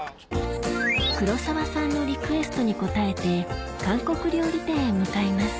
黒沢さんのリクエストに応えて韓国料理店へ向かいます